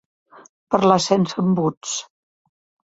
Parlar sense embuts.